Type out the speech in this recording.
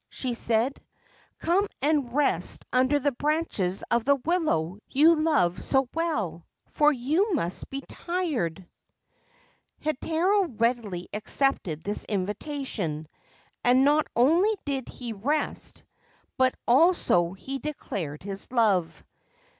' she said. ' Come and rest under the branches of the willow you love so well, for you must be tired.1 Heitaro readily accepted this invitation, and not only did he rest, but also he declared his love.